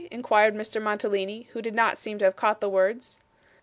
inquired Mr. Mantalini, who did not seem to have caught the words.